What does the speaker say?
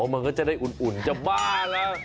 มันก็จะได้อุ่นจะบ้าแล้ว